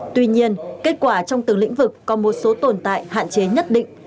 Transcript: tuy nhiên kết quả trong từng lĩnh vực còn một số tồn tại hạn chế nhất định